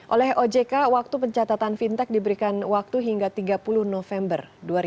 oleh ojk waktu pencatatan fintech diberikan waktu hingga tiga puluh november dua ribu dua puluh